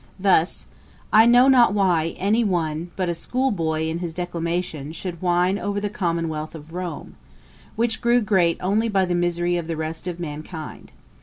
Thus, 'I know not why any one but a school boy in his declamation should whine over the Common wealth of Rome, which grew great only by the misery of the rest of mankind.